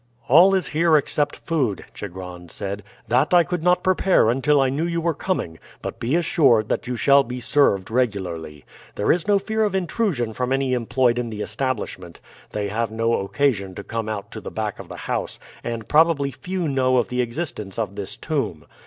"All is here except food," Chigron said. "That I could not prepare until I knew you were coming; but be assured that you shall be served regularly. There is no fear of intrusion from any employed in the establishment. They have no occasion to come out to the back of the house, and probably few know of the existence of this tomb.